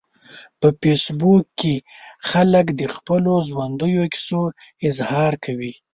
په فېسبوک کې خلک د خپلو ژوندیو کیسو اظهار کوي